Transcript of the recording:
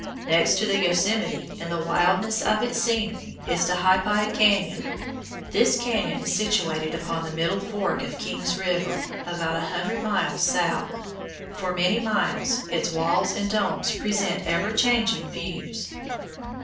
Next to the Yosemite, in the wildness of its scenery, is Tehipite Cañon. This cañon is situated upon the middle fork of King's River, about a hundred miles south. For many miles its walls and domes present ever changing views.